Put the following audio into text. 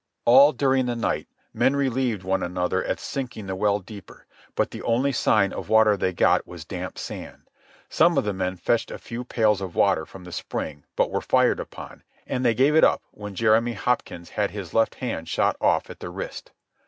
All during the night men relieved one another at sinking the well deeper; but the only sign of water they got was damp sand. Some of the men fetched a few pails of water from the spring, but were fired upon, and they gave it up when Jeremy Hopkins had his left hand shot off at the wrist.